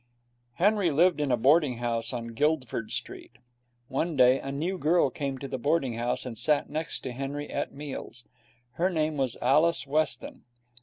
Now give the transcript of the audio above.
Henry lived in a boarding house in Guildford Street. One day a new girl came to the boarding house, and sat next to Henry at meals. Her name was Alice Weston.